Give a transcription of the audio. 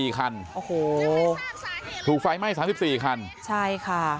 ๓๔คันถูกไฟไหม้๓๔คันใช่ค่ะ